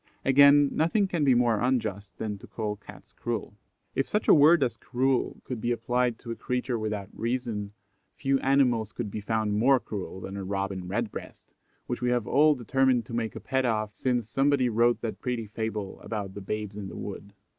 Again, nothing can be more unjust than to call Cats cruel. If such a word as cruel could be applied to a creature without reason, few animals could be found more cruel than a Robin Redbreast, which we have all determined to make a pet of since somebody wrote that pretty fable about the "Babes in the Wood."